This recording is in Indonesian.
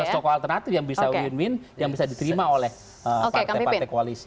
tokoh alternatif yang bisa win win yang bisa diterima oleh partai partai koalisi